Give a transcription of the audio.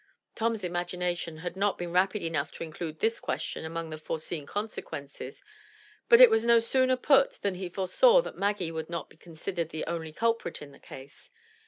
Tom's imagination had not been rapid enough to include this question among the foreseen consequences, but it was no sooner put than he foresaw that Maggie would not be considered the only culprit in the case.